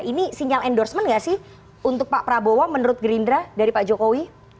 ini sinyal endorsement gak sih untuk pak prabowo menurut gerindra dari pak jokowi